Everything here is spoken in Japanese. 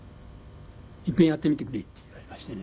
「一遍やってみてくれ」って言われましてね。